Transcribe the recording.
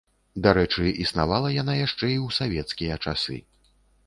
Дарэчы, існавала яна яшчэ і ў савецкія часы.